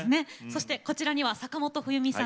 こちらには坂本冬美さん